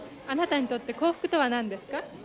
あなたにとって幸福とは何ですか？